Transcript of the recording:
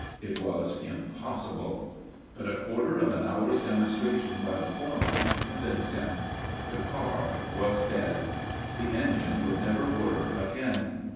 It was impossible. But a quarter of an hour's demonstration by the foreman convinced him. The car was dead. The engine would never whir again.